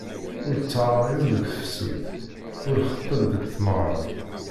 Ur ttaɣ aɣyul deg tefsut, ur xeṭṭeb deg tmeɣra.